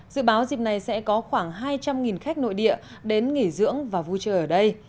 dự báo dịp này sẽ có khoảng hai trăm linh khách nội địa đến nghỉ dưỡng và vui chơi ở đây